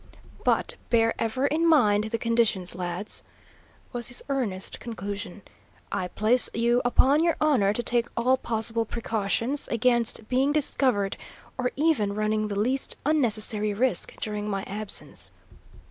"But bear ever in mind the conditions, lads," was his earnest conclusion. "I place you upon your honour to take all possible precautions against being discovered, or even running the least unnecessary risk during my absence."